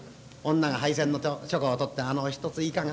女が配膳のちょこを取って『あのおひとついかが？』。